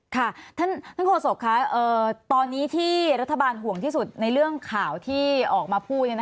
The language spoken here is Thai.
ค่ะท่านโฆษกค่ะตอนนี้ที่รัฐบาลห่วงที่สุดในเรื่องข่าวที่ออกมาพูด